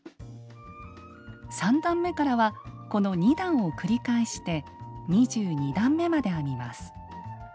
３段めからはこの２段を繰り返して２２段めまで編みます。